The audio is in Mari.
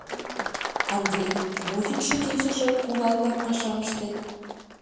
— Андрий, мо йӱдшӧ-кечыже кулаклан пашам ыштет?